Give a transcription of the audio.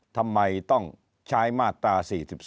ทำไมต้องใช้มาตรา๔๔